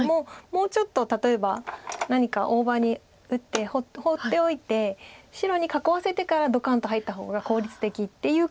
もうちょっと例えば何か大場に打って放っておいて白に囲わせてからドカンと入った方が効率的っていう考え方もあります。